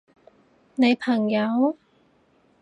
你朋友？